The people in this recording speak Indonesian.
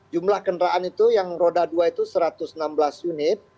jumlah kendaraan itu yang roda dua itu satu ratus enam belas unit